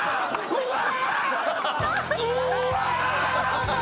うわ！